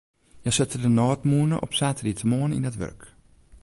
Hja sette de nôtmûne op saterdeitemoarn yn it wurk.